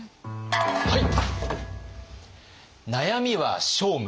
はい！